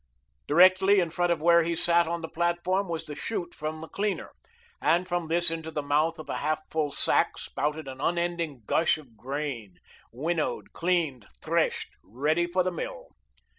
Directly in front of where he sat on the platform was the chute from the cleaner, and from this into the mouth of a half full sack spouted an unending gush of grain, winnowed, cleaned, threshed, ready for the mill.